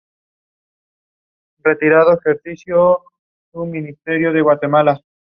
Los observadores sugirieron que los motivos del magnicidio se debió a razones políticas.